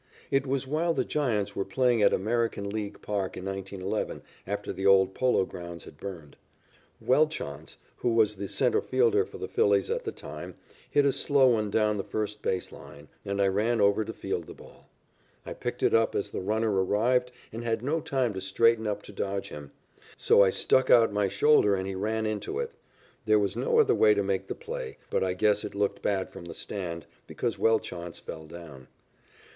It was while the Giants were playing at American League Park in 1911 after the old Polo Grounds had burned. Welchonce, who was the centre fielder for the Phillies at the time, hit a slow one down the first base line, and I ran over to field the ball. I picked it up as the runner arrived and had no time to straighten up to dodge him. So I struck out my shoulder and he ran into it. There was no other way to make the play, but I guess it looked bad from the stand, because Welchonce fell down.